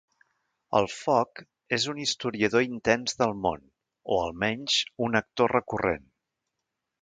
El foc és un historiador intens del món o, almenys, un actor recurrent.